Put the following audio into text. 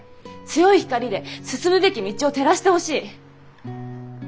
強い光で進むべき道を照らしてほしい。